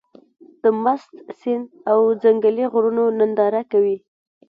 د مست سيند او ځنګلي غرونو ننداره کوې.